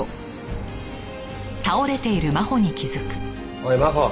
おい真帆。